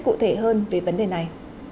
cụ thể hơn về vấn đề này